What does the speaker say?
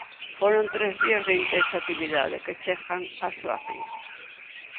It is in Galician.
Foron tres días de intensa actividade que chegan á súa fin.